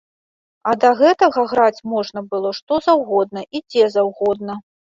А да гэтага граць можна было што заўгодна і дзе заўгодна.